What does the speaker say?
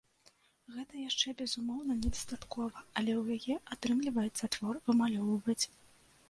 Гэта яшчэ, безумоўна, недастаткова, але у яе атрымліваецца твор вымалёўваць.